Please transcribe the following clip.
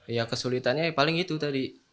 ya kesulitannya ya paling itu tadi